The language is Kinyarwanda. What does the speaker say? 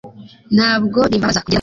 Ntabwo bimbabaza kugenda mu mvura